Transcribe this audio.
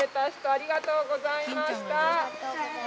ありがとうございます。